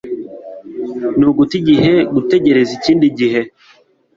Ni uguta igihe gutegereza ikindi gihe.